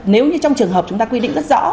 nếu như trong trường hợp chúng ta quy định rất rõ